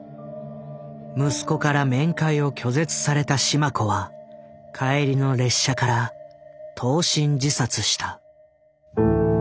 息子から面会を拒絶された志満子は帰りの列車から投身自殺した。